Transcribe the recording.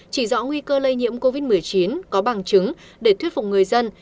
chỉ rõ nguy cơ lây nhiễm covid một mươi chín có bằng chứng để thuyết phục người dân